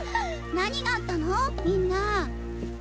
何があったのみんな。